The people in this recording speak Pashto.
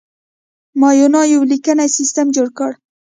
مایانو یو لیکنی سیستم جوړ کړ.